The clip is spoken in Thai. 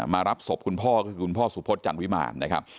มารับศพคุณพ่อคือคุณพ่อสุพศจันทร์วิมาร